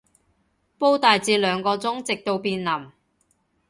煲大致兩個鐘，直到變腍